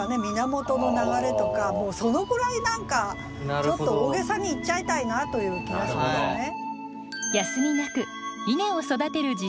源の流れとかもうそのぐらい何かちょっと大げさに言っちゃいたいなという気がしますね。